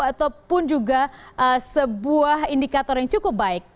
ataupun juga sebuah indikator yang cukup baik